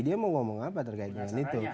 dia mau ngomong apa terkait dengan itu